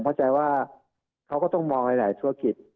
เข้าใจว่าเขาก็ต้องมองหลายธุรกิจ